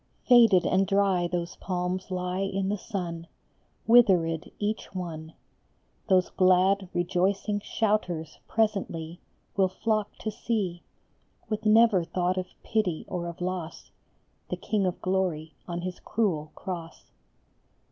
Faded and dry those palms lie in the sun, Withered each one ; Those glad, rejoicing shouters presently Will flock to see, With never thought of pity or of loss, The King of Glory on his cruel cross.